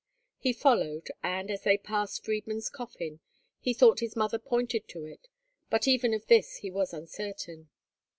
He followed, and, as they passed Friedmund's coffin, he thought his mother pointed to it, but even of this he was uncertain.